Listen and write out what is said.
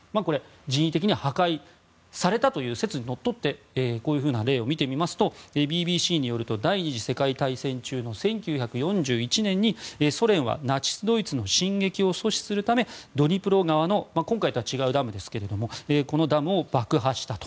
人為的に破壊されたという説にのっとってこういうふうな例を見てみますとＢＢＣによると第２次世界大戦中の１９４１年にソ連はナチスドイツの進撃を阻止するためドニプロ川の今回とは違うダムですがこのダムを爆破したと。